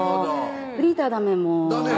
フリーターダメもうダメ？